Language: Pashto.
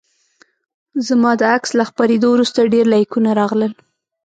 زما د عکس له خپریدو وروسته ډیر لیکونه راغلل